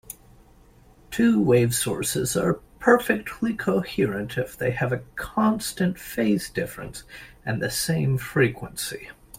Two-wave sources are perfectly coherent if they have a constant phase difference and the same frequency.